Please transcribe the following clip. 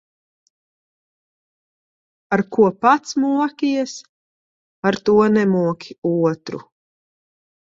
Ar ko pats mokies, ar to nemoki otru.